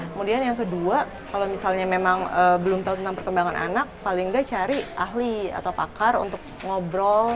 kemudian yang kedua kalau misalnya memang belum tahu tentang perkembangan anak paling nggak cari ahli atau pakar untuk ngobrol